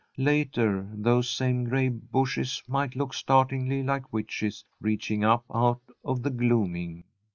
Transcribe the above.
Later, those same gray bushes might look startlingly like witches reaching up out of the gloaming.